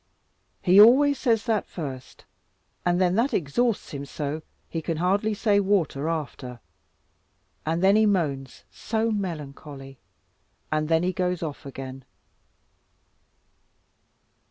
He always says that first, and then that exhausts him so, he can hardly say 'water' after, and then he moans so melancholy, and then he goes off again."